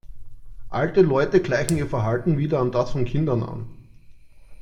Alte Leute gleichen ihr Verhalten wieder an das von Kindern an.